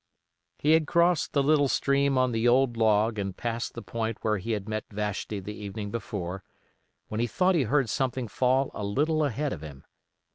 He had crossed the little stream on the old log and passed the point where he had met Vashti the evening before, when he thought he heard something fall a little ahead of him.